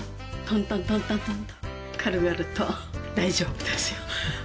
トントントントン軽々と大丈夫ですよ。